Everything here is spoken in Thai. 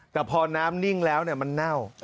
แต่พอน้ำนิ่งแล้วมันเน่า